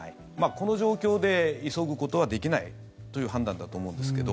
この状況で急ぐことはできないという判断だと思うんですけど。